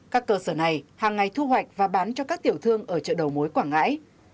các cơ sở này hàng ngày thu hoạch và bán cho các tiểu thương ở chợ đầu mối quảng ngãi